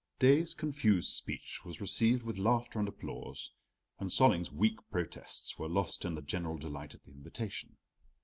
Daae's confused speech was received with laughter and applause, and Solling's weak protests were lost in the general delight at the invitation.